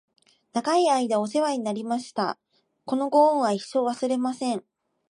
長い間クソおせわになりました！！！このご恩は一生、忘れません！！